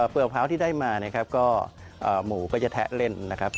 เปลือกมะพร้าวที่ได้มาเนี่ยครับก็หมูก็จะแทะเล่นนะครับ